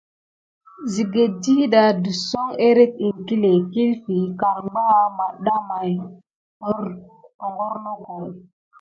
Sikane ɗiɗa tiso érente tikilé, kilfi karbanga, metda hogornoko.